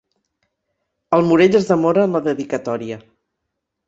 El Morell es demora en la dedicatòria.